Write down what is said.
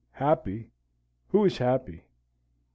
Happy, who is happy?